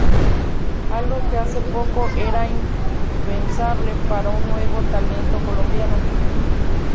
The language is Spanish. Algo que, hace poco, era impensable para un nuevo talento colombiano.